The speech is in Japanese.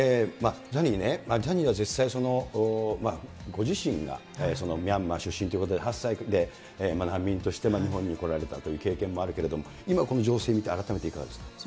ザニーね、ザニーは実際、ご自身がミャンマー出身ということで、８歳で難民として日本に来られたという経験もあるけれども、今この情勢見て、改めていかがですか。